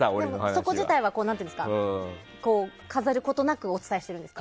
そこ自体は飾ることなくお伝えしているんですか？